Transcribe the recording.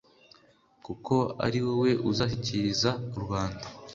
kuko ari wowe uzashyikiriza rubanda